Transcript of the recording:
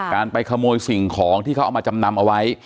การไปขโมยสิ่งของที่เขาเอามาจำนำเอาไว้